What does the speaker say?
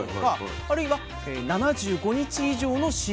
あるいは７５日以上の飼育期間。